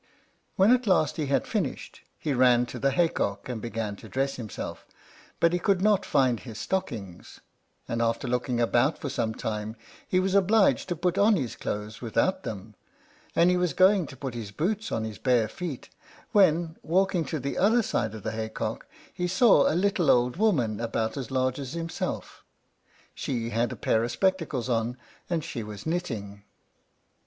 When at last he had finished, he ran to the hay cock and began to dress himself; but he could not find his stockings, and after looking about for some time he was obliged to put on his clothes without them, and he was going to put his boots on his bare feet, when, walking to the other side of the hay cock, he saw a little old woman about as large as himself. She had a pair of spectacles on, and she was knitting.